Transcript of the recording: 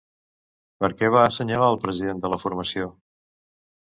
Per què va assenyalar el president de la formació?